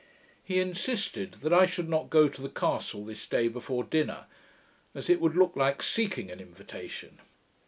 He insisted that I should not go to the castle this day before dinner, as it would look like seeking an invitation.